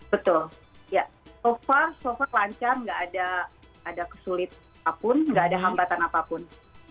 betul ya so far lancar gak ada kesulitan apapun gak ada hambatan apapun